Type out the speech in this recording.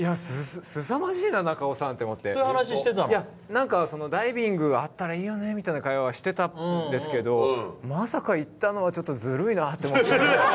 すさまじいな、中尾さんってダイビングあったらいいよねみたいな会話はしてたんですけどまさか行ったのは、ちょっとずるいなって思って。